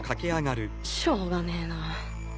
しょうがねえな